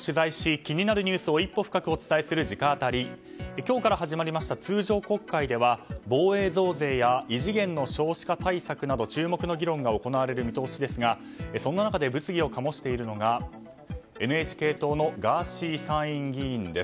今日から始まりました通常国会では、防衛増税や異次元の少子化対策など注目の議論が行われる見通しですがそんな中で物議を醸しているのがＮＨＫ党のガーシー参院議員です。